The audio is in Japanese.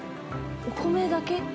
お米だけ？